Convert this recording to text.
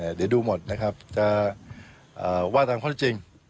เดี๋ยวดูหมดนะครับจะว่าทำคนจริง